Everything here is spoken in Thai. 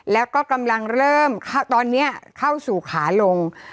และกำลังเริ่มเข้าสู่ขาลง